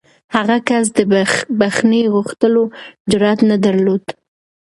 هغه کس د بښنې غوښتلو جرات نه درلود.